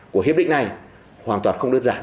của hiệp định này hoàn toàn không đơn giản